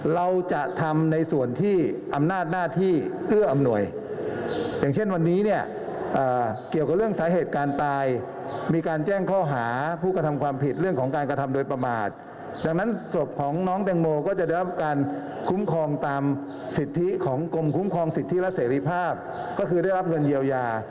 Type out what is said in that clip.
รับรสภาพก็การสามารถมีประชุมครองศิษย์ที่รัศสริภาพก็คือได้รับเงินเยียวยา